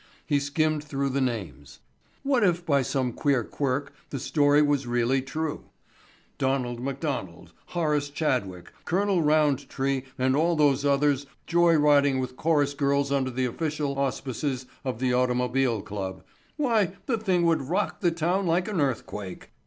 He skimmed through the names. What if by some queer quirk the story was really true? Donald McDonald, Horace Chadwick, Col. Roundtree and all those others joy riding with chorus girls under the official auspices of the Automobile Club—why, the thing would rock the town like an earthquake!